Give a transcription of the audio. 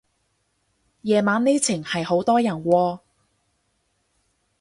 夜晚呢程係好多人喎